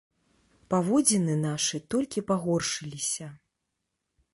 Паводзіны нашы толькі пагоршыліся.